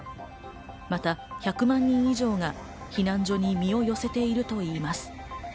また１００万人以上が避難所に身を寄せているといいます。